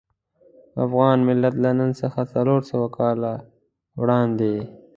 افغان ملت له نن څخه څلور سوه کاله وړاندې.